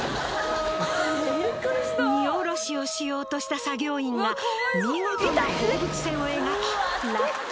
荷おろしをしようとした作業員が見事な放物線を描き落下。